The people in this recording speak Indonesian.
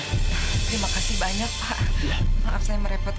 terima kasih banyak pak maaf saya merepotkan